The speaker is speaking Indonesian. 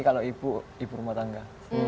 kalau ibu rumah tangga